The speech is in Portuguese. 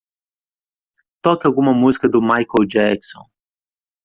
Toque alguma música do Michael Jackson.